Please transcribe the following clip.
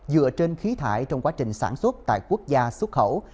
dựa trên khí thải trong quá trình sản xuất tại quốc gia xuất khẩu